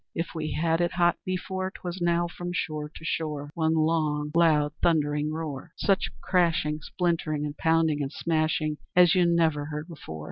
If we had it hot before, 'Twas now, from shore to shore, One long, loud thundering roar, Such crashing, splintering, and pounding And smashing as you never heard before.